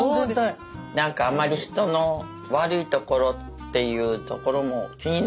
何かあんまり人の悪いところっていうところも気にならないしね。